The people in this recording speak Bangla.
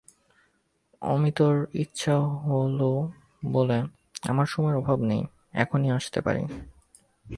অমিতর ইচ্ছে হল বলে, আমার সময়ের অভাব নেই, এখনই আসতে পারি।